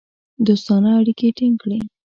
دوستانه اړیکې ټینګ کړې.